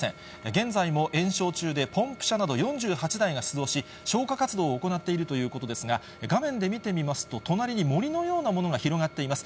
現在も延焼中で、ポンプ車など４８台が出動し、消火活動を行っているということですが、画面で見てみますと、隣に森のようなものが広がっています。